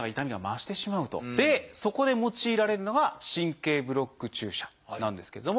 そこで用いられるのが神経ブロック注射なんですけれども。